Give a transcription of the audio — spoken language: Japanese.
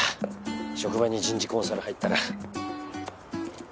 職場に人事コンサル入ったら。